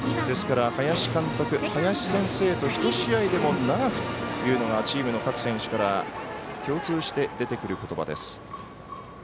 ですから、林監督、林先生と１試合でも長くというのがチームの各選手から共通して出てくることばです。